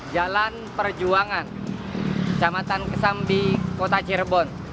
jalan perjuangan kecamatan kesambi kota cirebon